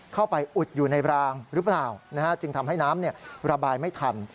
เข้าไปอุดอยู่ในรางหรือเปล่าจึงทำให้น้ำระบายไม่ทัน